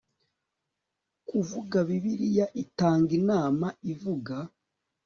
kuvuga, bibiliya itanga inama ivuga